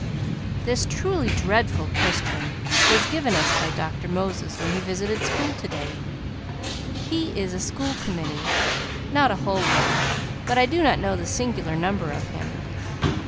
This truly dreadful question was given us by Dr. Moses when he visited school today. He is a School Committee; not a whole one but I do not know the singular number of him.